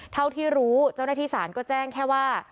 เท่าที่รู้เจ้าหน้าที่ศาลก็แจ้งแค่ว่า